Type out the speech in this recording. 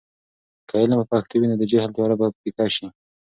که علم په پښتو وي، نو د جهل تیاره به پیکه سي.